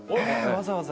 わざわざ。